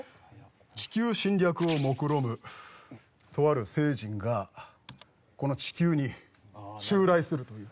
地球侵略をもくろむとある星人がこの地球に襲来するという。